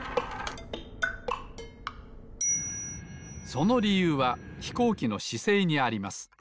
そのりゆうはひこうきのしせいにあります。